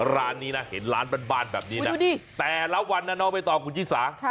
ร้านนี้เห็นร้านบ้านแบบนี้แต่ละวันน้องไปต่อกูจี๊สา